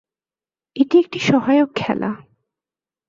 এটি একটি সহায়ক খেলা।